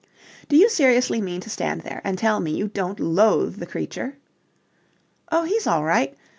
"Do you seriously mean to stand there and tell me you don't loathe the creature?" "Oh, he's all right.